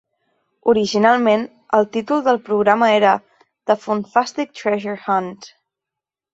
Originalment, el títol del programa era "The Funtastic Treasure Hunt".